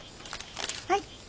はい。